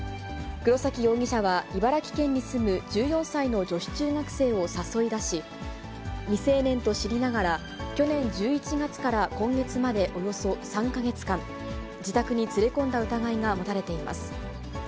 黒崎容疑者は茨城県に住む１４歳の女子中学生を誘い出し、未成年と知りながら去年１１月から今月までおよそ３か月間、自宅に連れ込んだ疑いが持たれています。